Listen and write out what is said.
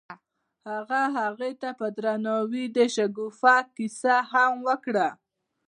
هغه هغې ته په درناوي د شګوفه کیسه هم وکړه.